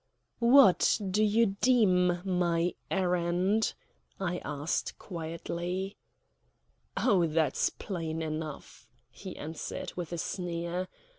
"What do you deem my errand?" I asked quietly. "Oh, that's plain enough," he answered, with a sneer.